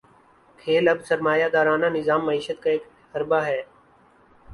کھیل اب سرمایہ دارانہ نظام معیشت کا ایک حربہ ہے۔